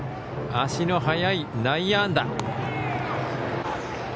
足の速い内野安打。